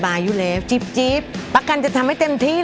เอายอมเวทีเลยน่ะลูกเวทีกว้างมากน่ะเต้นให้รอบเลยน่ะโอเคไหมเต้นเต็มที่โอเค